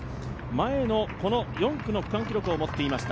前の４区の区間記録を持っていました。